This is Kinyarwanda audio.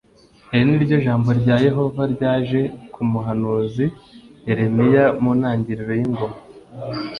iri ni ryo jambo rya yehova ryaje ku muhanuzi yeremiya mu ntangiriro y’ingoma